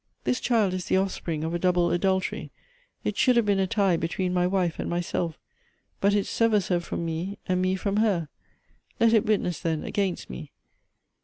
This child is the offspring of a double adultery; it should have been a tie between ray wife and myself; but it severs her from me, and me from her. Let it witness, then, against me.